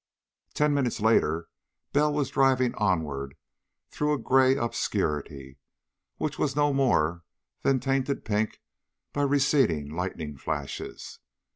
Ten minutes later Bell was driving onward through a gray obscurity, which now was no more than tinted pink by receding lightning flashes.